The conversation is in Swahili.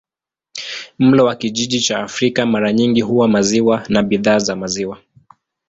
Mlo wa kijiji cha Afrika mara nyingi huwa maziwa na bidhaa za maziwa.